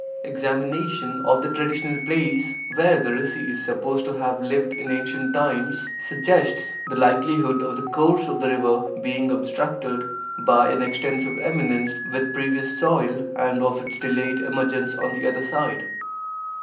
Examination of the traditional place where the rsi is supposed to have lived in ancient times, suggests the likelihood of the course of the river being obstructed by an extensive eminence with pervious soil and of its delayed emergence on the other side.